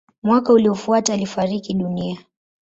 Mwaka uliofuata alifariki dunia.